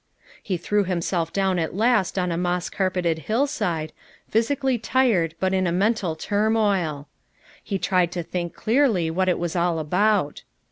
He threw himself down at last on a moss carpeted hillside, physically tired but in a men tal turmoil. He tried to think clearly what it was all about.